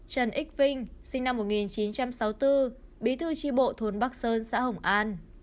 trần ích vinh sinh năm một nghìn chín trăm sáu mươi bốn bí thư tri bộ thôn bắc sơn xã hồng an